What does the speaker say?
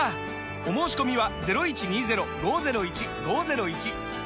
お申込みは